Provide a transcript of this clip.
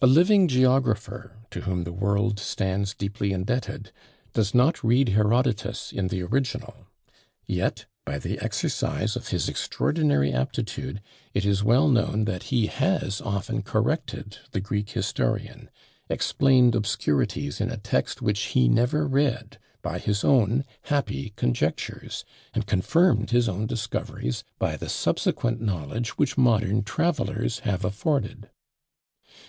A living geographer, to whom the world stands deeply indebted, does not read Herodotus in the original; yet, by the exercise of his extraordinary aptitude, it is well known that he has often corrected the Greek historian, explained obscurities in a text which he never read, by his own happy conjectures, and confirmed his own discoveries by the subsequent knowledge which modern travellers have afforded.